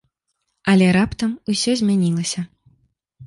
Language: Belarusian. Але раптам ўсё змянілася.